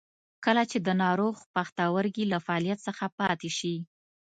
کله چې د ناروغ پښتورګي له فعالیت څخه پاتې شي.